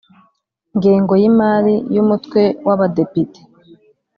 ngengo y’imari y’Umutwe w Abadepite .